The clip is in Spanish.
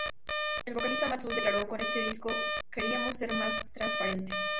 El vocalista Matt Shultz declaró: "Con este disco, queríamos ser más transparentes.